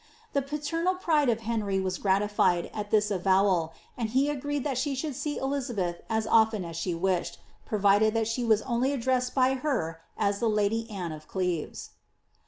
The pa lemal pride of Henry was gratified at this avowal, and he agreed that she should see Elizabeth as oAen as she wished, provided that she was only addressed by her as the lady Anne of Cleves.